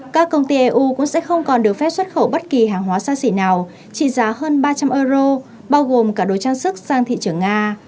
các công ty eu cũng sẽ không còn được phép xuất khẩu bất kỳ hàng hóa xa xỉ nào trị giá hơn ba trăm linh euro bao gồm cả đồ trang sức sang thị trường nga